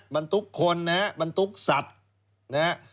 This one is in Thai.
บันทุกข์คนนะฮะบันทุกข์สัตว์นะฮะ